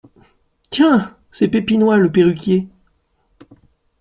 Tiens ! c’est Pépinois, le perruquier…